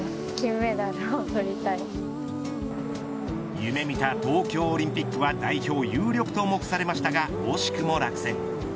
夢見た東京オリンピックは代表有力と目されましたが惜しくも落選。